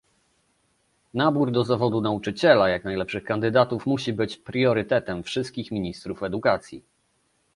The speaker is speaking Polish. Nabór do zawodu nauczyciela jak najlepszych kandydatów musi być priorytetem wszystkich ministrów edukacji